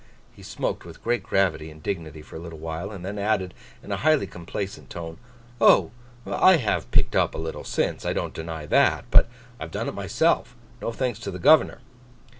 He smoked with great gravity and dignity for a little while, and then added, in a highly complacent tone, 'Oh! I have picked up a little since. I don't deny that. But I have done it myself; no thanks to the governor.